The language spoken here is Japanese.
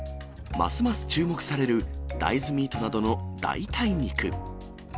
ますます注目される大豆ミートなどの代替肉。